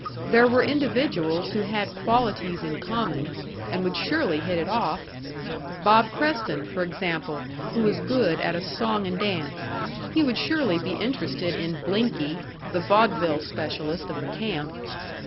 There were individuals who had qualities in common, and would surely hit it off! Bob Creston, for example, who was good at a "song and dance" he would surely be interested in "Blinky," the vaudeville specialist of the camp!